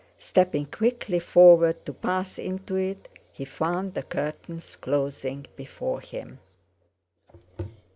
Stepping quickly forward to pass into it, he found the curtains closing before him.